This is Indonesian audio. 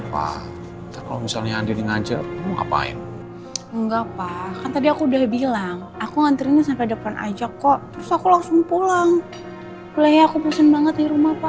pengen lihat kampusnya mandi